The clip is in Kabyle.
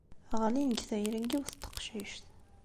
Ɣlin deg tayri n yiwet n teqcict.